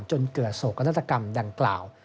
จนเกิดโศกนาฏกรรมดังกล่าว